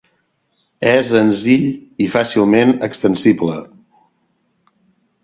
És senzill i fàcilment extensible.